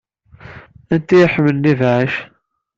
Anti ay iḥemmlen ibeɛɛac?